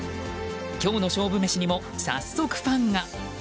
今日の勝負メシにも早速、ファンが。